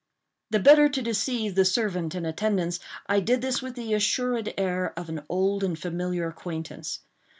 The better to deceive the servant in attendance, I did this with the assured air of an old and familiar acquaintance.